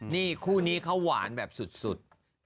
นี่คู่นี้เขาหวานแบบสุด